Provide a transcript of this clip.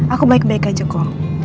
aku baik baik aja kok